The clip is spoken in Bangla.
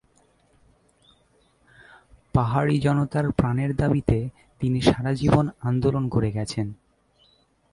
পাহাড়ি জনতার প্রাণের দাবিতে তিনি সারা জীবন আন্দোলন করে গেছেন।